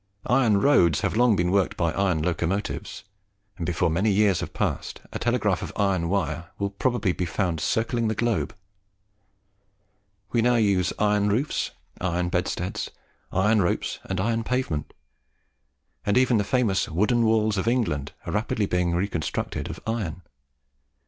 Iron roads have long been worked by iron locomotives; and before many years have passed a telegraph of iron wire will probably be found circling the globe. We now use iron roofs, iron bedsteads, iron ropes, and iron pavement; and even the famous "wooden walls of England" are rapidly becoming reconstructed of iron.